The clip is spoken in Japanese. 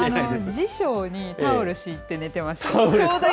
辞書にタオル敷いて寝てました。